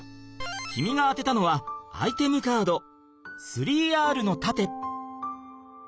君が当てたのはアイテムカード３Ｒの盾！